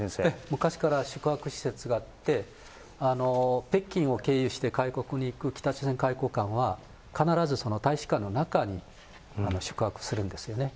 昔から宿泊施設があって、北京を経由して外国に行く北朝鮮外交官は、必ずその大使館の中に宿泊するんですよね。